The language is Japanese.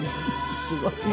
すごいね。